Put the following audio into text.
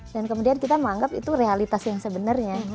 dan kemudian kita menganggap itu realitas yang sebenarnya